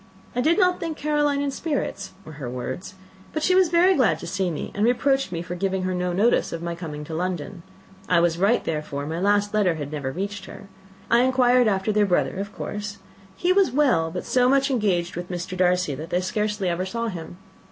"I did not think Caroline in spirits," were her words, "but she was very glad to see me, and reproached me for giving her no notice of my coming to London. I was right, therefore; my last letter had never reached her. I inquired after their brother, of course. He was well, but so much engaged with Mr. Darcy that they scarcely ever saw him.